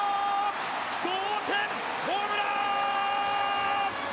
同点ホームラン！